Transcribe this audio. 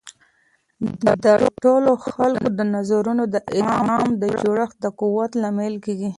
د ټولو خلکو د نظرونو ادغام د جوړښت د قوت لامل کیږي.